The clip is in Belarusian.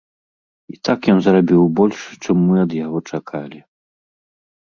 І так, ён зрабіў больш, чым мы ад яго чакалі.